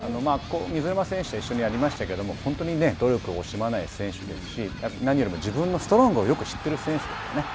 クロスボールでのアシスト数がリ水沼選手と一緒にやりましたけれども、本当に努力を惜しまない選手ですし、何よりも自分のストロングをよく知っている選手ですね。